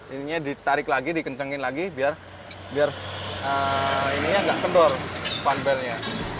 ini ditarik lagi dikencengin lagi biar ini agak kendor funbill nya